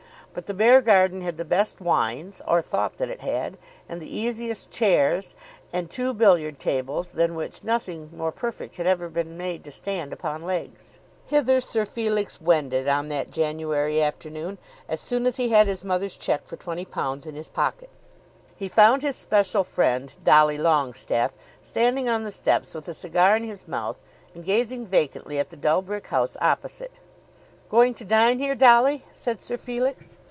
But the Beargarden had the best wines, or thought that it had, and the easiest chairs, and two billiard tables than which nothing more perfect had ever been made to stand upon legs. Hither Sir Felix wended on that January afternoon as soon as he had his mother's cheque for £20 in his pocket. He found his special friend, Dolly Longestaffe, standing on the steps with a cigar in his mouth, and gazing vacantly at the dull brick house opposite. "Going to dine here, Dolly?" said Sir Felix.